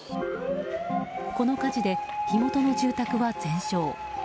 この火事で火元の住宅は全焼。